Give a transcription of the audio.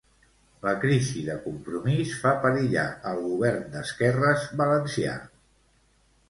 La crisi de Compromís fa perillar el govern d'esquerres valencià.